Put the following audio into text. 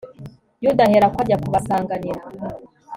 yuda ahera ko ajya kubasanganira